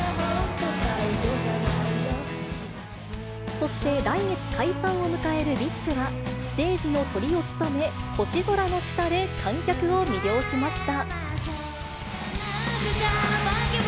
そして、来月解散を迎えるＢｉＳＨは、ステージのトリを務め、星空の下で観客を魅了しました。